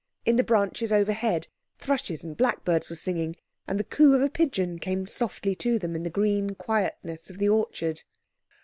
In the branches overhead thrushes and blackbirds were singing, and the coo of a pigeon came softly to them in the green quietness of the orchard.